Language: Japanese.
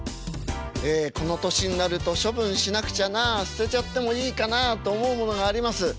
ええこの年になると処分しなくちゃなあ捨てちゃってもいいかなあと思うものがあります。